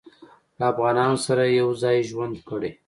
له افغانانو سره یې یو ځای ژوند کړی.